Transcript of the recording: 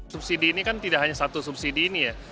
subsidi ini kan tidak hanya satu subsidi ini ya